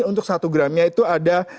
untuk satu gramnya itu ada satu enam puluh empat